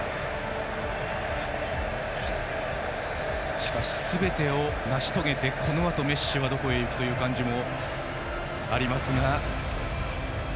しかしすべてを成し遂げてこのあとメッシはどこへ行くという感じもありますが。